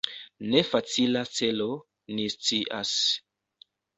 Ne facila celo, ni scias.